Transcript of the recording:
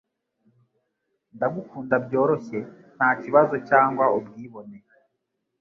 Ndagukunda byoroshye, nta kibazo cyangwa ubwibone: